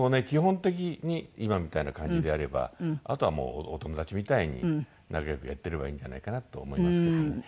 基本的に今みたいな感じであればあとはもうお友達みたいに仲良くやっていればいいんじゃないかなと思いますけどね。